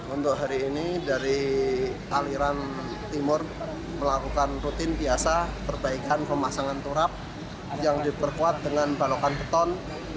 untuk hari ini dari aliran timur melakukan rutin biasa perbaikan pemasangan turap yang diperkuat dengan balokan beton